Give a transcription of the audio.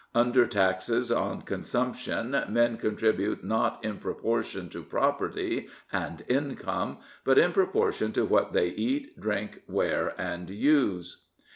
Under taxes on consumption, men contribute, not in proportion to property and income, but in proportion to what they eat, drink, wear, and use.